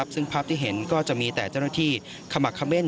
ซึ่งภาพที่เห็นก็จะมีแต่เจ้าหน้าที่ขมักเม่น